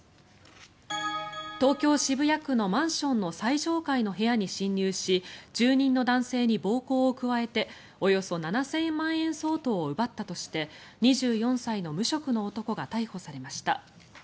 東京・渋谷区のマンションの最上階の部屋に侵入し住人の男性に暴行を加えておよそ７０００万円相当を奪ったとして２４歳の無職の男が逮捕されました。